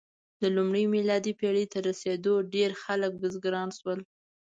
د لومړۍ میلادي پېړۍ تر رسېدو ډېری خلک بزګران شول.